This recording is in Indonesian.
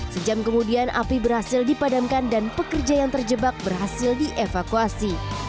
sejam kemudian api berhasil dipadamkan dan pekerja yang terjebak berhasil dievakuasi